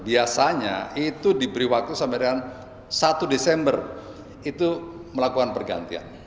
biasanya itu diberi waktu sampai dengan satu desember itu melakukan pergantian